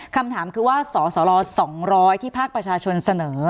คำถามคือว่าสสร๒๐๐ที่ภาคประชาชนเสนอ